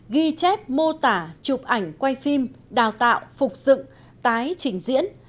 ghi chép mô tả chụp ảnh quay phim đào tạo phục dựng tái trình diễn